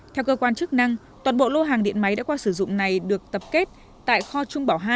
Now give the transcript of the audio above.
theo cơ quan chức năng toàn bộ lô hàng điện máy đã qua sử dụng này được tập kết tại kho trung bảo hai